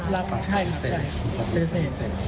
รับใช่